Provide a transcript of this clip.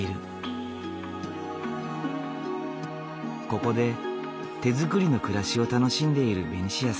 ここで手づくりの暮らしを楽しんでいるベニシアさん。